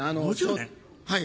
はい。